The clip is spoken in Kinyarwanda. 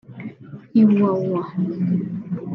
Iwawa